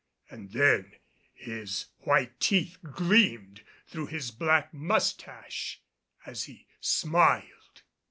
And then his white teeth gleamed through his black mustache as he smiled.